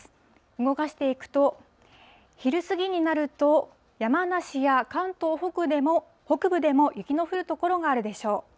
動かしていくと、昼過ぎになると、山梨や関東北部でも雪の降る所があるでしょう。